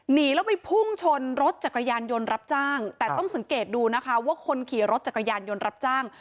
หนีแล้วไปพุ่งชนรถจักรยานยนต์รับจ้างแต่ต้องสังเกตดูนะคะว่าคนขี่รถจักรยานยนต์รับจ้าง